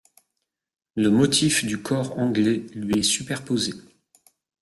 Le motif du cor anglais lui est superposé.